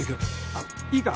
あっいいか？